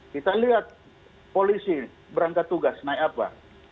kita lihat polisi berangkat tugas naik apa